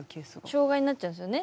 障害になっちゃうんですよね